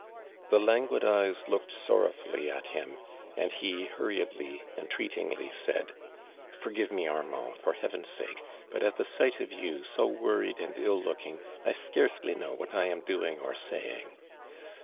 The languid eyes looked sorrowfully at him, and he hurriedly, entreatingly said : ''Forgive me, Armand, for Heaven's sake, but at the sight of you, so worried and ill looking I scarcely know what I am doing or saying.